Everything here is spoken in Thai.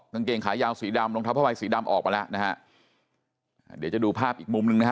กางเกงขายาวสีดำรองเท้าผ้าใบสีดำออกมาแล้วนะฮะอ่าเดี๋ยวจะดูภาพอีกมุมหนึ่งนะฮะ